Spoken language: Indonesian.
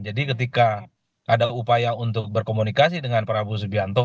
jadi ketika ada upaya untuk berkomunikasi dengan prabowo subianto